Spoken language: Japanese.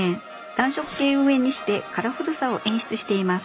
暖色系を上にしてカラフルさを演出しています。